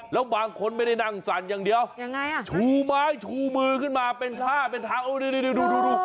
แล้วบางคนไม่ได้นั่งสั่นอย่างเดียวยังไงชู่ไม้ชู่มือขึ้นมาเป็นฮ่าฮ่าอร๋อง